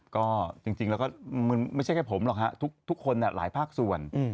ก็จริงแล้วก็ไม่ใช่แค่ผมหรอกฮะทุกคนหลายภาคส่วน